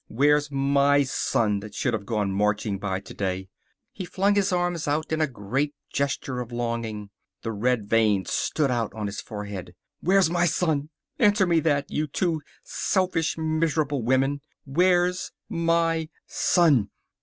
Where's my son that should have gone marching by today?" He flung his arms out in a great gesture of longing. The red veins stood out on his forehead. "Where's my son! Answer me that, you two selfish, miserable women. Where's my son!"